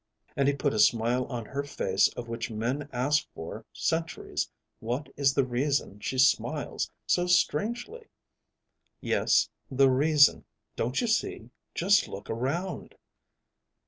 And he put a smile on her face of which men asked for centuries, 'What is the reason she smiles so strangely?' Yes, the reason, don't you see? Just look around."